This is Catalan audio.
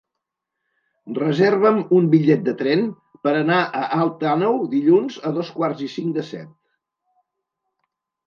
Reserva'm un bitllet de tren per anar a Alt Àneu dilluns a dos quarts i cinc de set.